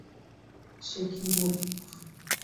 সে কী মুখ!